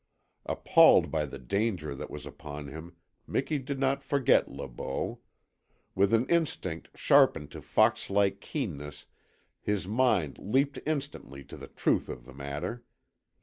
Appalled by the danger that was upon him, Miki did not forget Le Beau. With an instinct sharpened to fox like keenness his mind leapt instantly to the truth of the matter.